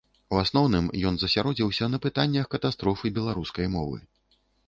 У асноўным ён засяродзіўся на пытаннях катастрофы беларускай мовы.